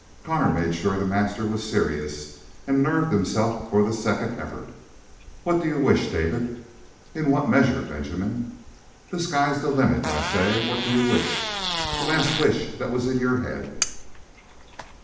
Connor made sure the master was serious and nerved himself for the second effort. "What do you wish, David?" "In what measure, Benjamin?" "The sky's the limit! I say, what do you wish? The last wish that was in your head."